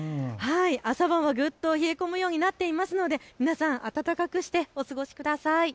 朝晩はぐっと冷え込むようになっていますので皆さん、暖かくしてお過ごしください。